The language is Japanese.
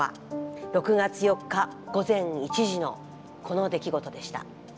６月４日午前１時のこの出来事でした。